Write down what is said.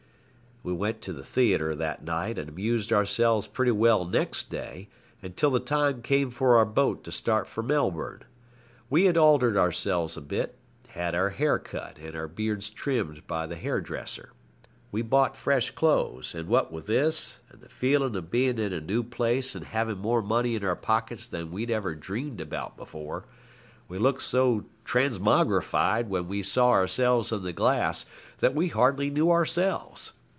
We went to the theatre that night, and amused ourselves pretty well next day and till the time came for our boat to start for Melbourne. We had altered ourselves a bit, had our hair cut and our beards trimmed by the hairdresser. We bought fresh clothes, and what with this, and the feeling of being in a new place and having more money in our pockets than we'd ever dreamed about before, we looked so transmogrified when we saw ourselves in the glass that we hardly knew ourselves.